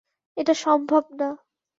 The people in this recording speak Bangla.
এটা সম্ভব না!